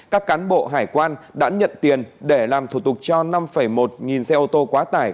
các cán bộ hải quan đã nhận tiền để làm thủ tục cho năm một nghìn xe ô tô quá tải